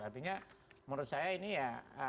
artinya menurut saya ini ya